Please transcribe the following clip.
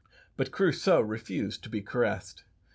But Crusoe refused to be caressed.